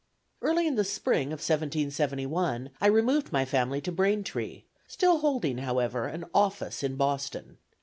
Early in the Spring of 1771, I removed my family to Braintree, still holding, however, an office in Boston.